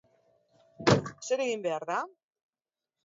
Zer egin behar da?